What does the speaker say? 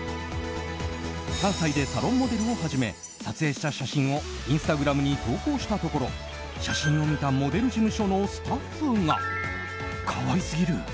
関西でサロンモデルを始め撮影した写真をインスタグラムに投稿したところ写真を見たモデル事務所のスタッフが可愛すぎる！